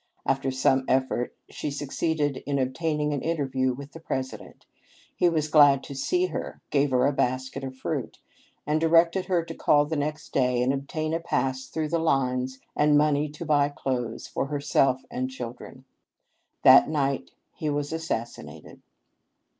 After some effort she succeeded in obtaining an interview with the President. He was glad to see her, gave her a basket of fruit, and directed her to call the next day and obtain a pass through the lines and money to buy clothes for herself and children. That night he was assassinated.